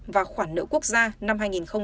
và khoản nợ quốc gia năm hai nghìn ba mươi ba